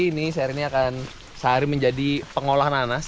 ini sehari ini akan sehari menjadi pengolah nanas